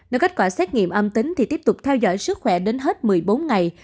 nếu kết quả xét nghiệm âm tính thì tiếp tục theo dõi sức khỏe đến hết một mươi bốn ngày